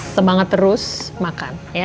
semangat terus makan ya